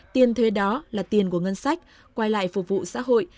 tiền thuế đó là tiền của ngân sách quay lại phục vụ xã hội